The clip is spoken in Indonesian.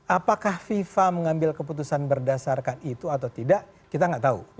apakah fifa mengambil keputusan berdasarkan itu atau tidak kita nggak tahu